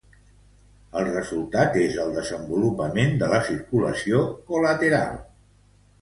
El resultat és el desenvolupament de la circulació col·lateral.